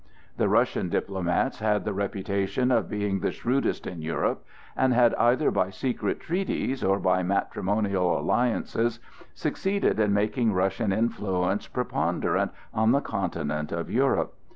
The Russian diplomats had the reputation of being the shrewdest in Europe, and had either by secret treaties or by matrimonial alliances succeeded in making Russian influence preponderant on the continent of Europe.